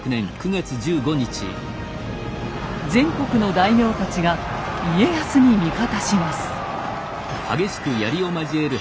全国の大名たちが家康に味方します。